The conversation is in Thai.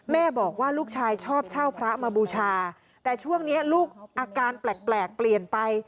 แม่บอกว่าลูกชายชอบเช่าพระมาบูชาแต่ช่วงนี้ลูกอาการแปลกเปลี่ยนไป